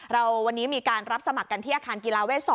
เราวันนี้มีการรับสมัครกันที่อาคารกีฬาเวท๒